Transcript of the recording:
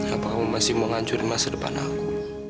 apa kamu masih mau hancurin masa depan aku